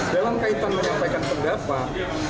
dalam kaitan menyampaikan pendapat